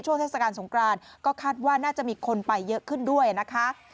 เทศกาลสงครานก็คาดว่าน่าจะมีคนไปเยอะขึ้นด้วยนะคะ